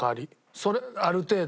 それある程度。